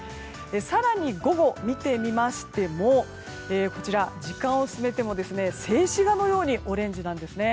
更に午後、見てみましても時間を進めても静止画のようにオレンジなんですね。